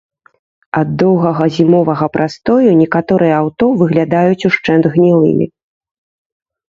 Ад доўгага зімовага прастою некаторыя аўто выглядаюць ушчэнт гнілымі.